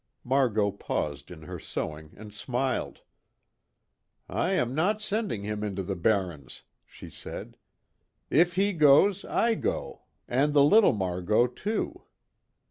Margot paused in her sewing and smiled: "I am not sending him into the barrens," she said. "If he goes, I go, and the little Margot, too.